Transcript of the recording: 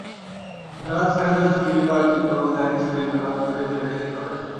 রাত সাড়ে দশটার দিকে কয়েকজন যুবক তাঁকে ছুরিকাঘাত করে ফেলে রেখে চলে যায়।